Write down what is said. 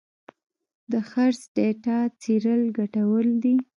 د خرڅ ډیټا څېړل ګټور دي.